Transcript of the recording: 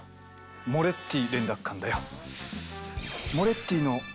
モレッティ連絡官だよ。